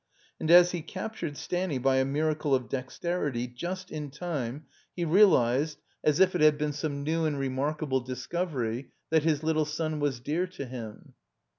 And as he captured Stanny by a miracle of dexterity, just in time, he realized, as if it had been 318 THE COMBINED MAZE some new and remarkable discovery, that his little son was dear to him.